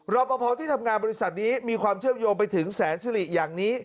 รอปภที่ทำงานบริษัทนี้มีความเชื่อมโยงไปถึงแสนสิริอย่างนี้